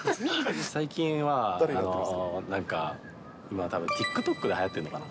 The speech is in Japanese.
最近はなんかＴｉｋＴｏｋがはやってんのかな。